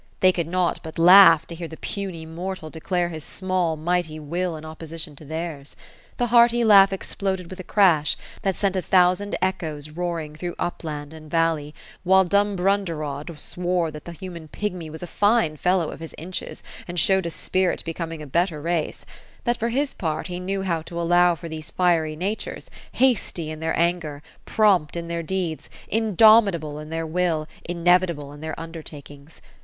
They could not but laugh to hear the puny mortal declare his small mighty will in opposition to theirs. T)ie hearty laugh exploded with a crash, that sent a thousand echoes roaring through upland and valley, while Dumbrunderod swore that the human pigmy was a fine fellow of his inches, and showed a spirit, becoming a better race ; that, for his part, he knew how to allow for these fiery natures, hasty in their anger, prompt in their deeds, indomitable in their will, inevitable in their undertakings.